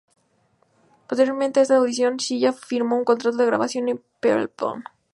Posteriormente a esa audición, Cilla firmó un contrato de grabación con Parlophone.